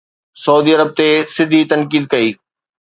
Saudi Arab تي سڌي تنقيد ڪئي